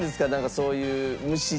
そういう虫とか。